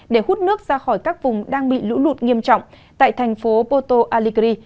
để hút nước ra khỏi các vùng đang bị lũ lụt nghiêm trọng tại thành phố porto alegre